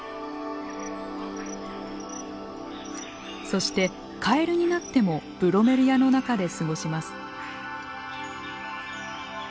そしてカエルになってもブロメリアの中で過ごします。